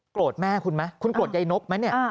แม่คุณไหมคุณโกรธใยนกไหมเนี่ย